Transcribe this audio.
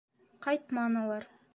Ҡайтманылар.